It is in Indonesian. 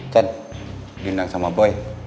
chan diundang sama boy